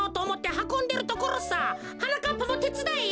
はなかっぱもてつだえよ。